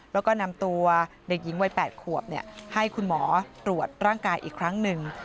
แล้วก็นำตัวเด็กหญิงวัย๘ขวบให้คุณหมอตรวจร่างกายอีกครั้งหนึ่ง